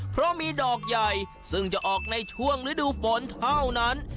เพราะมีดอกใหญ่ซึ่งจะออกในช่วงฤดูฝนเท่านั้น